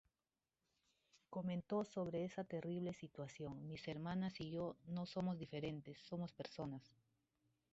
Comentó sobre esa terrible situación: ""Mis hermanas y yo no somos diferentes, somos personas.